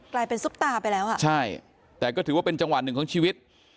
ซุปตาไปแล้วอ่ะใช่แต่ก็ถือว่าเป็นจังหวะหนึ่งของชีวิต